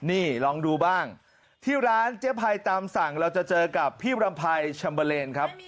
นี่ลองดูบ้างที่ร้านเจ๊ภัยตามสั่งเราจะเจอกับพี่รำไพรชัมเบอร์เลนครับ